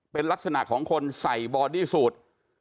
เป็นลักษณะของคนใส่บอดี้สูตร